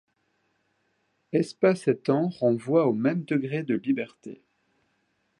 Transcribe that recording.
Espace et temps renvoient aux mêmes degrés de liberté.